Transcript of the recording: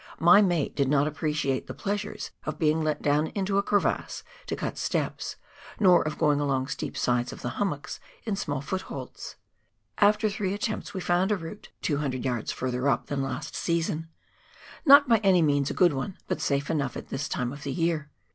My mate did not appreciate the pleasures of being let down into a crevasse to cut steps, nor of going along steep sides of the hummocks in small footholds. After three attempts we found a route 200 yards further up than last season. Not by any means a good one, but safe enough at this time of the year.